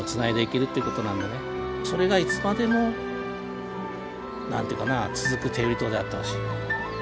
それがいつまでも何て言うかな続く天売島であってほしい。